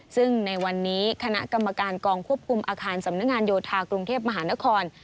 ซึ่งในวันนี้คณะกรรมการกองควบคุมอาคารสำนักงานโยธากรุงเทพมหานคร